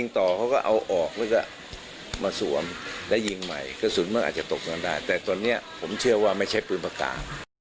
แต่ตอนนี้ผมเชื่อว่าไม่ใช่ปืนปากกา